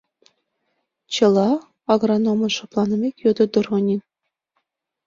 — Чыла? — агрономын шыпланымек, йодо Доронин.